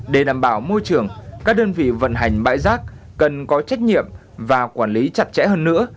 để đảm bảo môi trường các đơn vị vận hành bãi rác cần có trách nhiệm và quản lý chặt chẽ hơn nữa